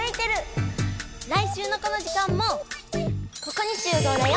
来週のこの時間もここに集合だよ。